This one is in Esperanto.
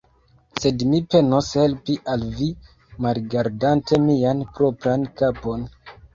Sed mi penos helpi al vi, malgardante mian propran kapon.